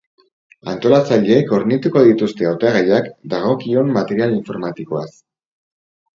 Antolatzaileek hornituko dituzte hautagaiak dagokion material informatikoaz.